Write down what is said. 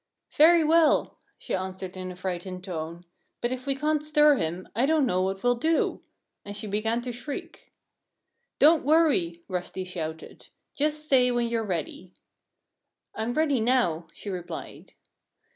"Very well!" she answered in a frightened tone. "But if we can't stir him, I don't know what we'll do." And she began to shriek. "Don't worry!" Rusty shouted. "Just say when you're ready." "I'm ready now," she replied.